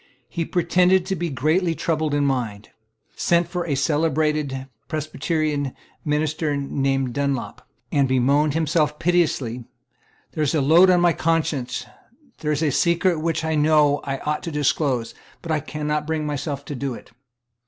He pretended to be greatly troubled in mind, sent for a celebrated Presbyterian minister named Dunlop, and bemoaned himself piteously: "There is a load on my conscience; there is a secret which I know that I ought to disclose; but I cannot bring myself to do it."